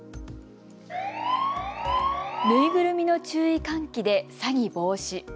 ぬいぐるみの注意喚起で詐欺防止。